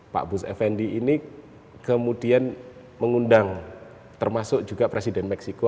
pak bus effendi ini kemudian mengundang termasuk juga presiden meksiko